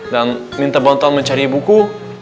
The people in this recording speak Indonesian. dan minta bantuan mencari ibuku